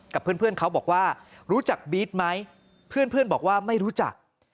กับเพื่อนเขาบอกว่ารู้จักบี๊ดไหมเพื่อนบอกว่าไม่รู้จัก